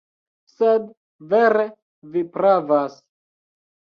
Sed vere Vi pravas.